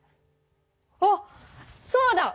あっそうだ！